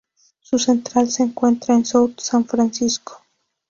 Su central se encuentra en South San Francisco.